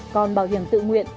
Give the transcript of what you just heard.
còn bảo hiểm tự nguyện